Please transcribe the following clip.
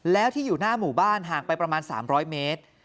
แล้วที่อยู่หน้าหมู่บ้านห่างไปประมาณ๓๐๐เมตร